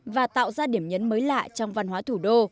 và tạo ra điểm nhấn mới lạ trong văn hóa thủ đô